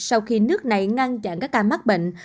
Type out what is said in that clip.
sau khi nước này ngăn chặn các ca mắc bệnh